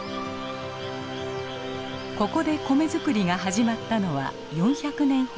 ここで米作りが始まったのは４００年ほど前。